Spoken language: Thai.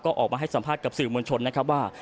ก็ออกมาให้สัมภาษณ์กับสื่อมวลชนนะครับว่า